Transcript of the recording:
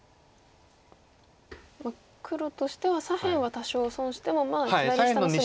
黒としては左辺は多少損しても左下の隅。